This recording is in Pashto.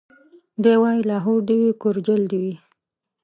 دی وايي لاهور دي وي کورجل دي وي